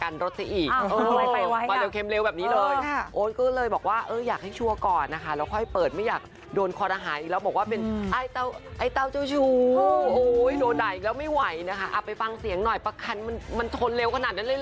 มีแฟนแล้วมากพี่โอ๊ตอะมียัง